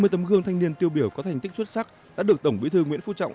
ba mươi tấm gương thanh niên tiêu biểu có thành tích xuất sắc đã được tổng bí thư nguyễn phú trọng